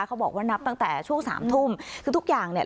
เขาบอกว่านับตั้งแต่ช่วงสามทุ่มคือทุกอย่างเนี่ย